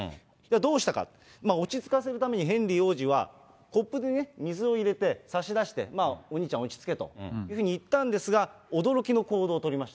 どうしたか、落ち着かせるためにヘンリー王子はコップに水を入れて差し出して、お兄ちゃん、落ち着けというふうに言ったんですが、驚きの行動を取りました。